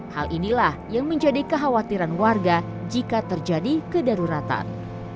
hal inilah yang menjadi kekhawatiran warga jika terjadi kedaruratan